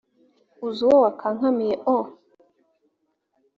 uzi uwo wakankamiye o